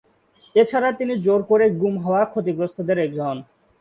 এছাড়া তিনি জোর করে গুম হওয়া ক্ষতিগ্রস্তদের একজন।